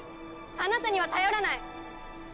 あなたには頼らない！